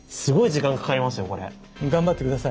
頑張って下さい。